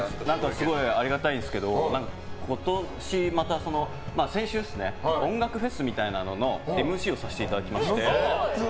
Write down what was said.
すごいありがたいんですけど先週、音楽フェスみたいなののＭＣをさせていただきまして。